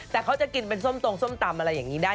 แต่เขาจะกินเป็นส้มตรงส้มตำอะไรอย่างนี้ได้